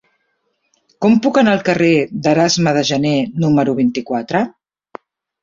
Com puc anar al carrer d'Erasme de Janer número vint-i-quatre?